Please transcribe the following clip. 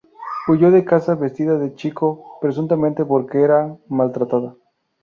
Huyó de casa vestida de chico presuntamente porque era mal tratada.